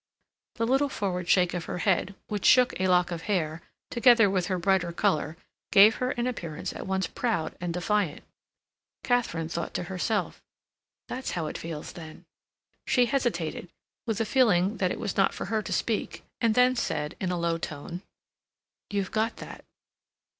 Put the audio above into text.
The little forward shake of her head, which shook a lock of hair, together with her brighter color, gave her an appearance at once proud and defiant. Katharine thought to herself, "That's how it feels then." She hesitated, with a feeling that it was not for her to speak; and then said, in a low tone, "You've got that."